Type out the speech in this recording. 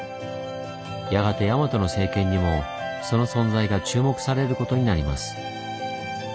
やがて大和の政権にもその存在が注目されることになります。